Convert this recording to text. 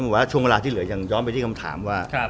ว่าช่วงเวลาที่เหลือยังย้อนไปที่คำถามว่า